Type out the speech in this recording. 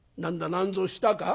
何ぞしたか？」。